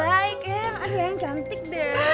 baik ya aduh yang cantik deh